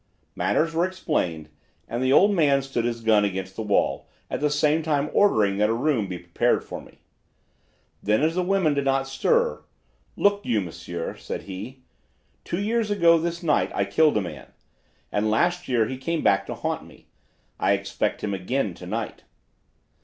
"Matters were explained, and the old man stood his gun against the wall, at the same time ordering that a room be prepared for me. Then, as the women did not stir: 'Look you, monsieur,' said he, 'two years ago this night I killed a man, and last year he came back to haunt me. I expect him again to night.'